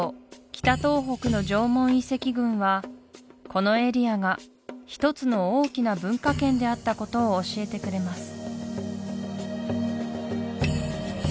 北東北の縄文遺跡群はこのエリアが一つの大きな文化圏であったことを教えてくれます